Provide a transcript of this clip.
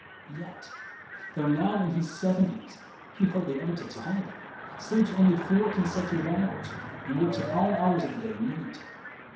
Yet, though now in his seventies, he hardly ever takes a holiday, sleeps only four consecutive hours, and works at all hours of the day and night.